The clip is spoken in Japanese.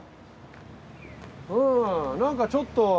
なんかちょっと。